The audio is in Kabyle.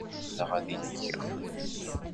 Ḥemmleɣ ad inigeɣ.